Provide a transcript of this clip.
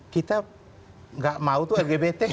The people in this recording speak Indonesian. kita nggak mau tuh lgbt